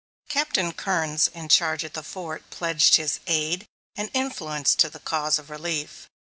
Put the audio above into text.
Captain Kerns in charge at the Fort, pledged his aid, and influence to the cause of relief.